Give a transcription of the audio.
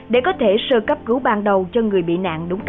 để có thể sơ cấp cứu ban đầu cho người bị nạn